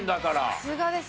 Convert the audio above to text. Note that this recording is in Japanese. さすがですね。